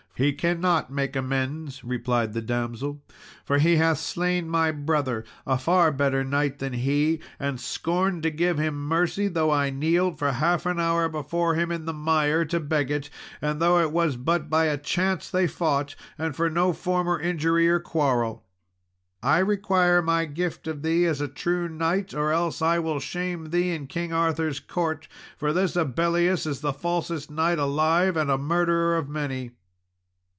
"He cannot make amends," replied the damsel, "for he hath slain my brother, a far better knight than he, and scorned to give him mercy, though I kneeled for half an hour before him in the mire, to beg it, and though it was but by a chance they fought, and for no former injury or quarrel. I require my gift of thee as a true knight, or else will I shame thee in King Arthur's court; for this Abellius is the falsest knight alive, and a murderer of many."